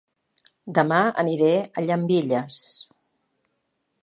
Dema aniré a Llambilles